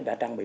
đã trang bị